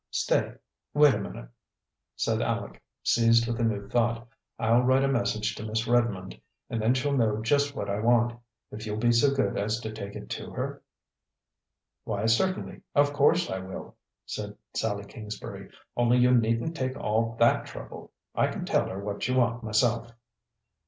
"Stay, wait a minute," said Aleck, seized with a new thought. "I'll write a message to Miss Redmond and then she'll know just what I want. If you'll be so good as to take it to her?" "Why, certainly, of course I will," Said Sallie Kingsbury. "Only you needn't take all that trouble. I can tell her what you want myself."